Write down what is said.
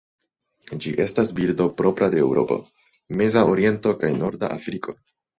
Ĝi estas birdo propra de Eŭropo, Meza Oriento kaj Norda Afriko.